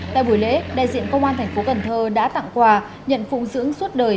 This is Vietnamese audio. tại buổi lễ đại diện công an thành phố cần thơ đã tặng quà nhận phụng dưỡng suốt đời